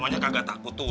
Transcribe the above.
emangnya kagak takut tuh